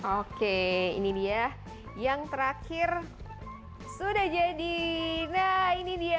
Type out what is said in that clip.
oke ini dia yang terakhir sudah jadi